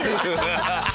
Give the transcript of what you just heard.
ハハハハ！